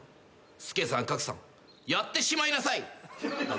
「すけさんかくさんやってしまいなさい」だぞ？